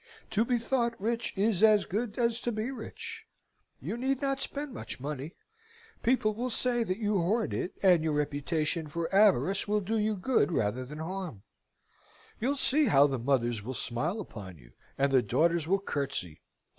To be thought rich is as good as to be rich. You need not spend much money. People will say that you hoard it, and your reputation for avarice will do you good rather than harm. You'll see how the mothers will smile upon you, and the daughters will curtsey!